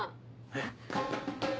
えっ？